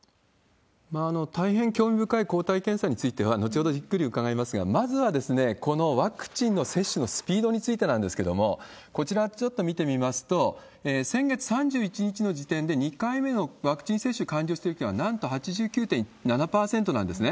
大変興味深い抗体検査については、後ほどじっくり伺いますが、まずは、このワクチンの接種のスピードについてなんですけれども、こちら、ちょっと見てみますと、先月３１日の時点で、２回目のワクチン接種完了してる人は、なんと８９．７％なんですね。